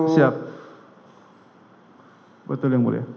siap betul ya mulia